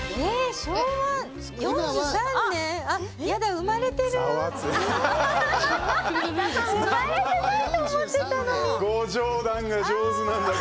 生まれてないと思ってたのに！